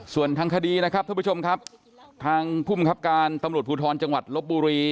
ส่วนทางคดีนะครับท่านผู้ชมครับทางภูมิครับการตำรวจภูทรจังหวัดลบบุรี